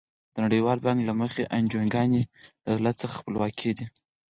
د نړیوال بانک له مخې انجوګانې له دولت څخه خپلواکې دي.